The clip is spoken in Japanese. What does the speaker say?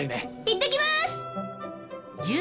いってきます！